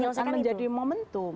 memperbaiki memperbaiki memperbaiki